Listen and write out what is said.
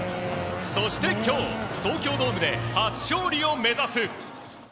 そして今日東京ドームで初勝利を目指す。